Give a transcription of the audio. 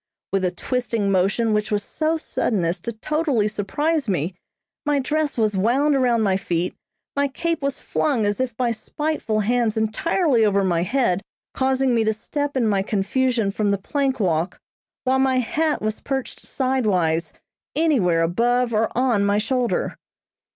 With a twisting motion which was so sudden as to totally surprise me, my dress was wound around my feet, my cape was flung as if by spiteful hands entirely over my head, causing me to step in my confusion from the plank walk; while my hat was perched sidewise anywhere above or on my shoulder.